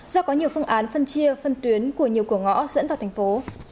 do có nhiều phương án phân chia phân tuyến của nhiều cửa ngõ dẫn vào thành phố